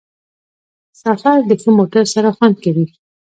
سفر د ښه موټر سره خوند کوي.